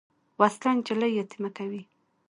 وسله نجلۍ یتیمه کوي